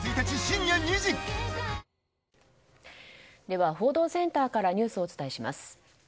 では、報道センターからニュースをお伝えします。